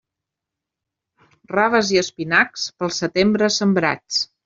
Raves i espinacs, pel setembre sembrats.